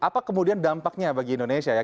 apa kemudian dampaknya bagi indonesia ya